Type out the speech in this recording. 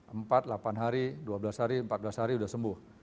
empat delapan hari dua belas hari empat belas hari sudah sembuh